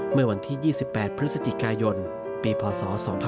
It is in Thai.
เมื่อวันที่๒๘พฤศจิกายนปีพศ๒๕๕๙